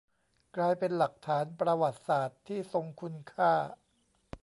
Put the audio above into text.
กลายเป็นหลักฐานประวัติศาสตร์ที่ทรงคุณค่า